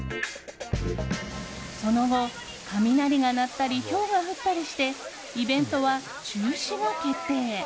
その後、雷が鳴ったりひょうが降ったりしてイベントは中止が決定。